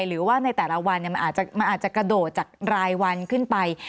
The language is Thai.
หรือว่าในแต่ละวันมันอาจจะกระโดดจากรายวันขึ้นไป